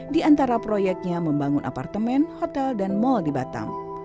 di antara proyeknya membangun apartemen hotel dan mal di batam